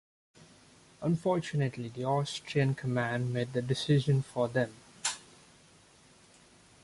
Unfortunately, the Austrian command made the decision for them.